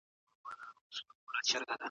بايد خپل مسووليتونه په سمه توګه ادا کړو.